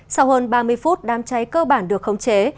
sau hơn ba mươi phút đám cháy cơ bản được khống chế